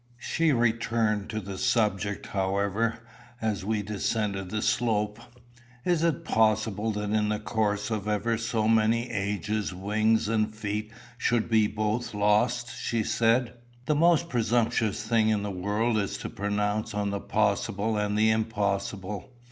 She returned to the subject, however, as we descended the slope. "Is it possible that in the course of ever so many ages wings and feet should be both lost?" she said. "The most presumptuous thing in the world is to pronounce on the possible and the impossible.